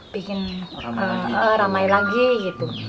dan ramai lagi gitu